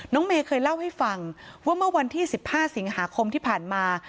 เมย์เคยเล่าให้ฟังว่าเมื่อวันที่๑๕สิงหาคมที่ผ่านมา